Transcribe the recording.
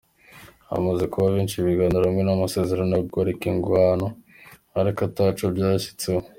Hamaze kuba kenshi ibiganiro hamwe n'amasezerano yo guhagarika ingwano ariko ataco vyashitseko.